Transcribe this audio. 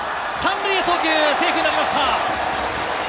３塁に送球、セーフになりました！